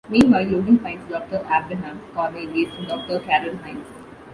Meanwhile, Logan finds Doctor Abraham Cornelius and Doctor Carol Hines.